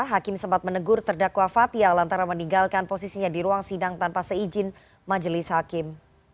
hakim sempat menegur terdakwa fathia lantaran meninggalkan posisinya di ruang sidang tanpa seizin majelis hakim